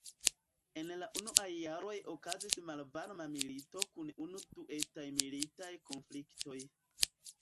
En la unuaj jaroj okazis malvarma milito kun unu-du etaj militaj konfliktoj.